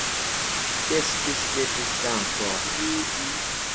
Qu’est-ce que c’est que ça, encore?